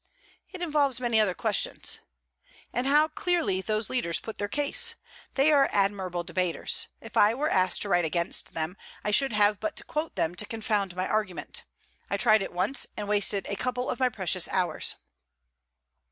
'It involves many other questions.' 'And how clearly those leaders put their case! They are admirable debaters. If I were asked to write against them, I should have but to quote them to confound my argument. I tried it once, and wasted a couple of my precious hours.'